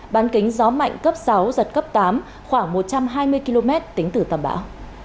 bán kính gió mạnh cấp sáu giật cấp tám khoảng một trăm hai mươi km tính từ tâm bão